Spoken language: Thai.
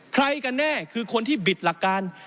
ใครกันแน่คือคนที่บิดหลักการ